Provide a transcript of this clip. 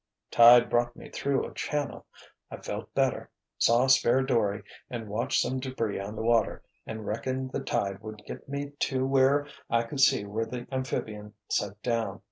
"Tide brought me through a channel. I felt better, saw a spare dory and watched some debris on the water and reckoned the tide would get me to where I could see where the amphibian set down.